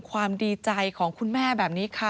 ความดีใจของคุณแม่แบบนี้ค่ะ